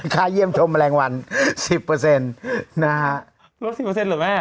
ค่าเยี่ยมชมแมลงวัน๑๐นะฮะลด๑๐เหรอแม่